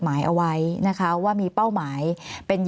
มีความรู้สึกว่ามีความรู้สึกว่า